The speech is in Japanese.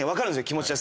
気持ちは。